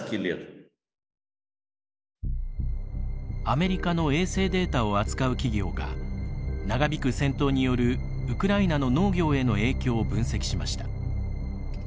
アメリカの衛星データを扱う企業が長引く戦闘によるウクライナの農業への影響を分析しました。